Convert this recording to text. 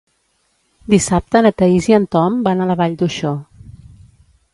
Dissabte na Thaís i en Tom van a la Vall d'Uixó.